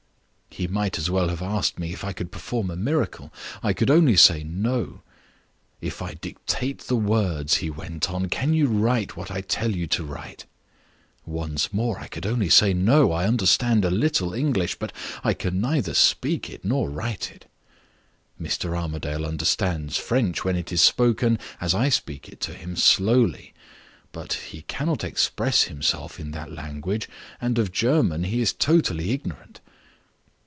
"He might as well have asked me if I could perform a miracle. I could only say No. 'If I dictate the words,' he went on, 'can you write what I tell you to write?' Once more I could only say No I understand a little English, but I can neither speak it nor write it. Mr. Armadale understands French when it is spoken (as I speak it to him) slowly, but he cannot express himself in that language; and of German he is totally ignorant.